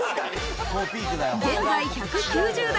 現在１９０段。